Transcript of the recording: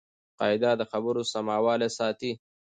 قاعده د خبرو سموالی ساتي.